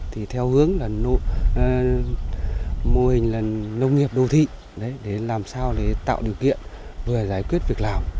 hướng là mô hình nông nghiệp đô thị để làm sao tạo điều kiện vừa giải quyết việc làm